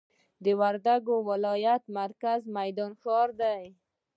د وردګ ولایت مرکز میدان ښار دی